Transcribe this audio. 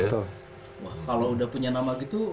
wah kalau udah punya nama gitu